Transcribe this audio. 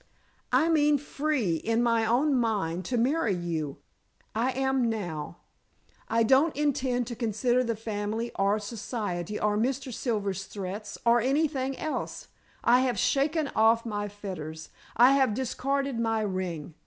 "I mean free, in my own mind, to marry you. I am now. I don't intend to consider the family or society, or Mr. Silver's threats, or anything else. I have shaken off my fetters; I have discarded my ring."